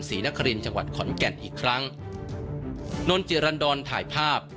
ศรีนครินทร์จังหวัดขอนแก่นอีกครั้งนนจิรันดรถ่ายภาพ